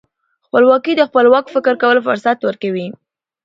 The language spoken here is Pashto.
خپلواکي د خپلواک فکر کولو فرصت ورکوي.